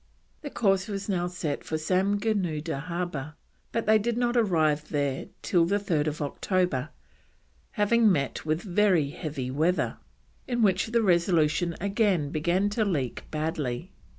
The course was now set for Samgoonoodha Harbour, but they did not arrive there till 3rd October, having met with very heavy weather, in which the Resolution again began to leak badly.